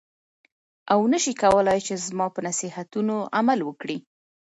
او نه شې کولای چې زما په نصیحتونو عمل وکړې.